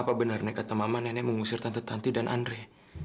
apa benar kata mama nenek mengusir tante tanti dan andri